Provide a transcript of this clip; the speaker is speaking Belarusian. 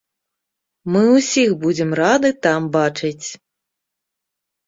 Мы ўсіх будзем рады там бачыць!